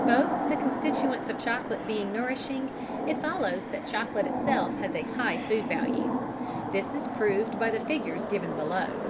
Both the constituents of chocolate being nourishing, it follows that chocolate itself has a high food value. This is proved by the figures given below.